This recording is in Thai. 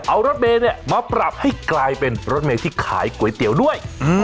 เอารถเมย์เนี่ยมาปรับให้กลายเป็นรถเมย์ที่ขายก๋วยเตี๋ยวด้วย